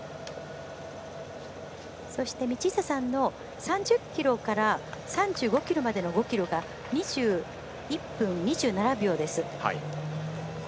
そして道下さんの３０ｋｍから３５ｋｍまでの５ｋｍが２１分２７秒です。